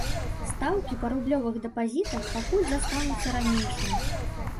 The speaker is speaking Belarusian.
Стаўкі па рублёвых дэпазітах пакуль застануцца ранейшымі.